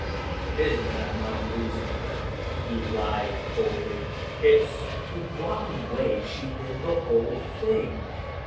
"It isn't that I mind losing her," he lied coldly, "it's the rotten way she did the whole thing.